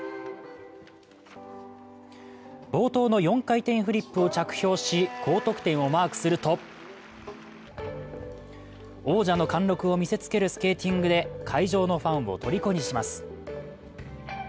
冒頭の４回転フリップを着氷し高得点をマークすると王者の貫禄を見せつけるスケーティングで会場のファンを虜にします。